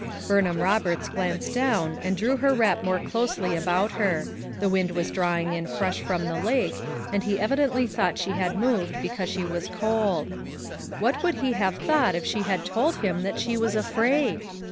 Burnham Eoberts glanced down, and drew her wrap more closely about her; the wind was drawing in fresh from the lake, and he evi 138 FOUR MOTHERS AT CHAUTAUQUA 139 dently thought she had moved because she was cold. What would he have thought if she had told him that she was afraid?